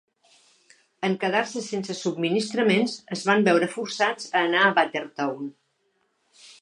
En quedar-se sense subministraments, es van veure forçats a anar a Bartertown.